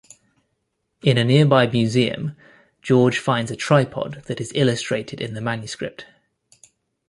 In a nearby museum, George finds a tripod that is illustrated in the manuscript.